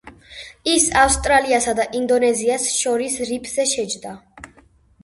ის ავსტრალიასა და ინდონეზიას შორის რიფზე შეჯდა.